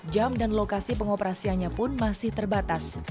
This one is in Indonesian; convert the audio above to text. jam dan lokasi pengoperasiannya pun masih terbatas